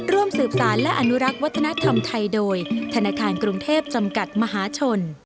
ร่วมสืบสารและอนุรักษ์วัฒนธรรมไทยโดยธนาคารกรุงเทพจำกัดมหาชน